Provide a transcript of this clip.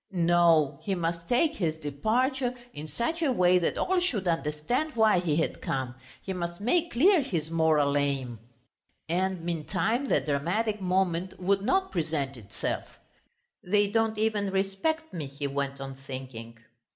No, he must take his departure in such a way that all should understand why he had come, he must make clear his moral aim.... And meantime the dramatic moment would not present itself. "They don't even respect me," he went on, thinking.